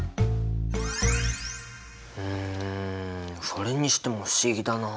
うんそれにしても不思議だな。